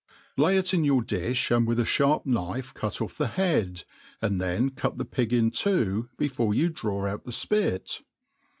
Lay it in your difli, and with a ihafp knife cutpfF the head, and then cut the pig in two, before you draw out the fpit.